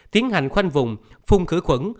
tiến hành khoanh vùng phung khử khuẩn